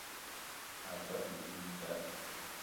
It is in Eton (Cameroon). Ag͡bela ngoul i nda.